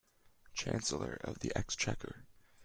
Chancellor of the Exchequer